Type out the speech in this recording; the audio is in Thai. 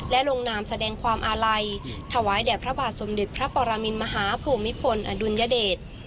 และลงนามแสดงความอาลัยถวายแด่พระบาทสมเด็จพระปรมินมหาภูมิพลอดุลยเดช